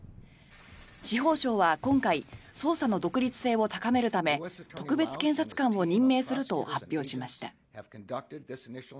司法省は今回捜査の独立性を高めるため特別検察官を任命すると発表しました。